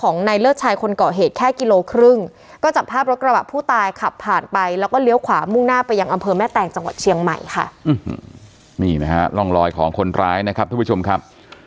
นี่นะฮะร่องรอยของคนร้ายนะครับทุกผู้ชมครับ